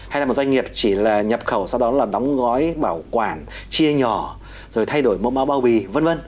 hay là một doanh nghiệp chỉ là nhập khẩu sau đó là đóng gói bảo quản chia nhỏ rồi thay đổi mẫu bao bì v v